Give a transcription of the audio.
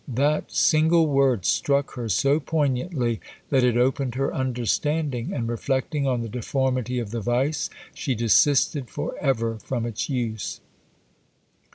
That single word struck her so poignantly that it opened her understanding; and reflecting on the deformity of the vice, she desisted for ever from its use."